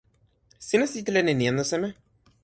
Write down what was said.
sina sitelen e ni anu seme?